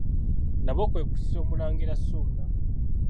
Nabo kwe kusisa Omulangira Ssuuna.